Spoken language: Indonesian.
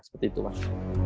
seperti itu mas